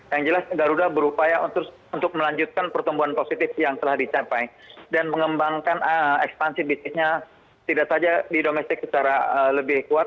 yang jelas garuda berupaya untuk melanjutkan pertumbuhan positif yang telah dicapai dan mengembangkan ekspansi bisnisnya tidak saja di domestik secara lebih kuat